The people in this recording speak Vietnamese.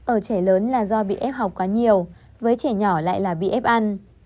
ở trẻ lớn là do bị ép học quá nhiều với trẻ nhỏ lại là bị ép ăn